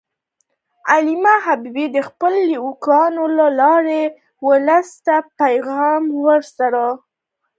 علامه حبیبي د خپلو لیکنو له لارې ولس ته پیغام ورساوه.